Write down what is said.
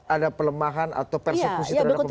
ada pelemahan atau persekusi terhadap pemerintah